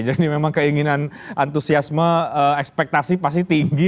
jadi memang keinginan antusiasme ekspektasi pasti tinggi